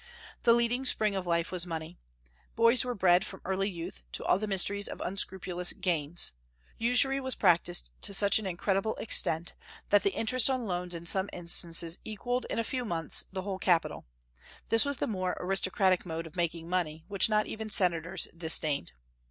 The leading spring of life was money. Boys were bred from early youth to all the mysteries of unscrupulous gains. Usury was practised to such an incredible extent that the interest on loans in some instances equalled, in a few months, the whole capital; this was the more aristocratic mode of making money, which not even senators disdained.